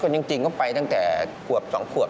จริงก็ไปตั้งแต่ขวบ๒ขวบ